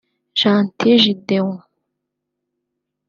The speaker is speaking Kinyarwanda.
Gentil Gedeon